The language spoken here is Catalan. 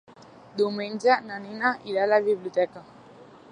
Diumenge na Nina irà a la biblioteca.